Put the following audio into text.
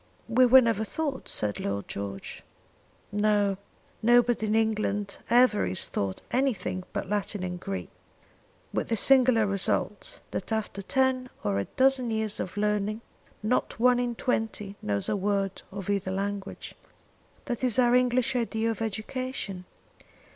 "We never were taught," said Lord George. "No; nobody in England ever is taught anything but Latin and Greek, with this singular result, that after ten or a dozen years of learning not one in twenty knows a word of either language. That is our English idea of education.